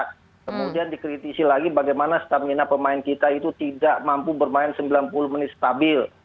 kemudian dikritisi lagi bagaimana stamina pemain kita itu tidak mampu bermain sembilan puluh menit stabil